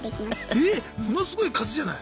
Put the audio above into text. えっものすごい数じゃない？